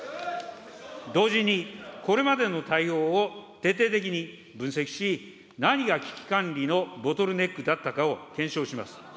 同時にこれまでの対応を徹底的に分析し、何が危機管理のボトルネックだったのかを検証します。